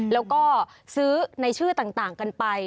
แล้วก็ซื้อในชื่อต่างกันไป